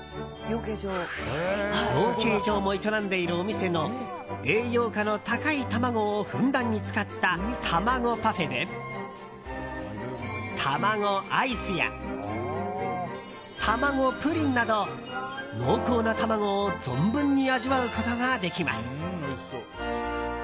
養鶏場も営んでいるお店の栄養価の高い卵をふんだんに使ったたまごパフェでたまごアイスやたまごプリンなど濃厚な卵を存分に味わうことができます。